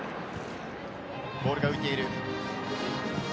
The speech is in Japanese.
ボールが浮いている。